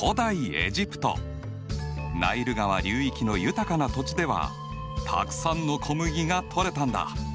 ナイル川流域の豊かな土地ではたくさんの小麦がとれたんだ。